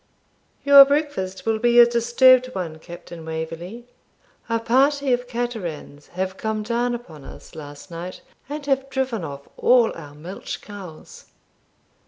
'Your breakfast will be a disturbed one, Captain Waverley. A party of Caterans have come down upon us last night, and have driven off all our milch cows.'